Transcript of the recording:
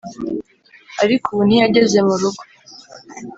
Ako ubu ntiyageze mu rugo